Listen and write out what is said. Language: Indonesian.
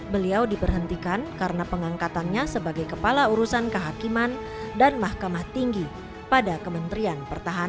beliau diberhentikan karena pengangkatannya sebagai kepala urusan kehakiman dan mahkamah tinggi pada kementerian pertahanan